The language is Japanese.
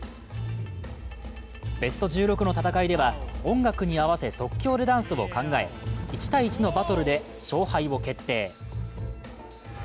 ベスト１６の戦いでは音楽に合わせ即興でダンスを考え１対１のバトルで勝敗を決定。